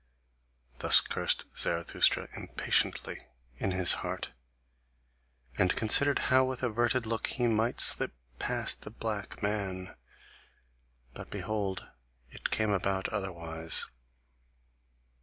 Thus cursed Zarathustra impatiently in his heart, and considered how with averted look he might slip past the black man. But behold, it came about otherwise.